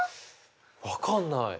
分かんない。